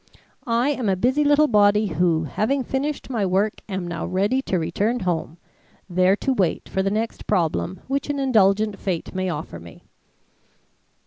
I am a busy little body who having finished my work am now ready to return home, there to wait for the next problem which an indulgent fate may offer me."